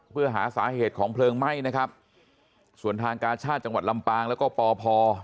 เพื่อหาสาเหตุของเพลิงไหม้นะครับส่วนทางกาชาติจังหวัดลำปางแล้วก็ปพ